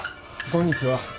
こんにちは。